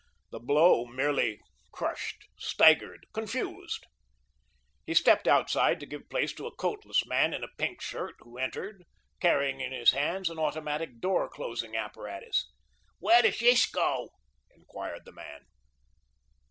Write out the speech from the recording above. The blow merely crushed, staggered, confused. He stepped aside to give place to a coatless man in a pink shirt, who entered, carrying in his hands an automatic door closing apparatus. "Where does this go?" inquired the man.